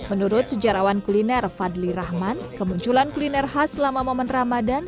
menurut sejarawan kuliner fadli rahman kemunculan kuliner khas selama momen ramadan